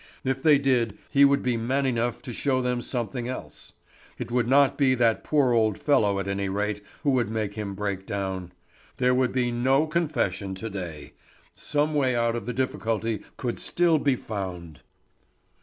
If they did, he would be man enough to show them something else. It would not be that poor old fellow at any rate who would make him break down. There would be no confession to day. Some way out of the difficulty could still be found.